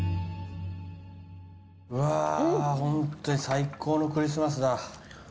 うわーホントに最高のクリスマスだ。